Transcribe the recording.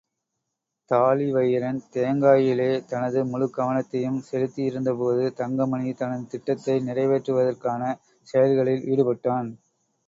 தாழிவயிறன் தேங்காயிலே தனது முழுக்கவனத்தையும் செலுத்தியிருந்தபோது தங்கமணி தனது திட்டத்தை நிறை வேற்றுவதற்கான செயல்களில் ஈடுபட்டான்.